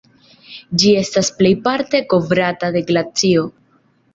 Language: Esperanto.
Ĝi estas plejparte kovrata de glacio.